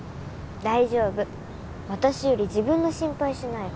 大丈夫私より自分の心配しなよ